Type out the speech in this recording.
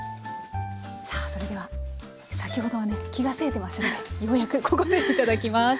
さあそれでは先ほどはね気がせいてましたけどようやくここでいただきます。